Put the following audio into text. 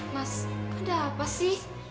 mas ada apa sih